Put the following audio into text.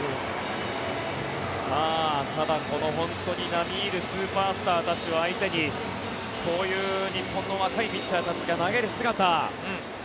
ただ、この本当に並みいるスーパースターたちを相手にこういう日本の若いピッチャーたちが投げる姿。